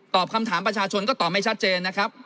คำถามประชาชนก็ตอบไม่ชัดเจนนะครับ